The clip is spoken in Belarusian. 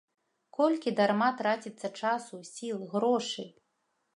Колькі дарма траціцца часу, сіл, грошы!